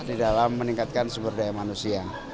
di dalam meningkatkan sumber daya manusia